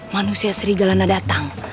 manusia serigala datang